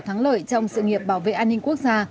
thắng lợi trong sự nghiệp bảo vệ an ninh quốc gia